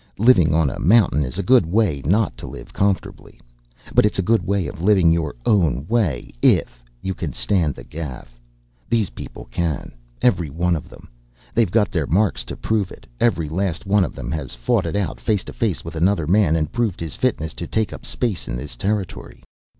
Living on a mountain is a good way not to live comfortably. But it's a good way of living your own way, if you can stand the gaff. These people can. Every one of them. They've got their marks to prove it. Every last one of them has fought it out face to face with another man, and proved his fitness to take up space in this territory.